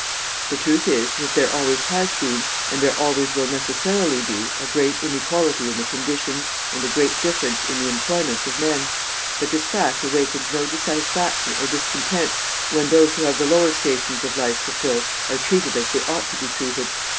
The truth is, that there always has been, and there always will necessarily be, a great inequality in the conditions, and a great difference in the employments of men; but this fact awakens no dissatisfaction or discontent when those who have the lower stations of life to fill are treated as they ought to be treated.